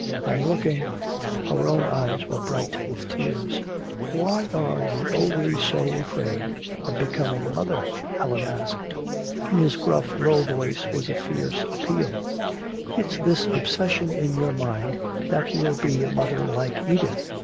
"I'm looking " Her own eyes were bright with tears. "Why are you always so afraid of becoming a mother?" Allan asked. In his gruff low voice was a fierce appeal. "It's this obsession in your mind that you'll be a mother like Edith.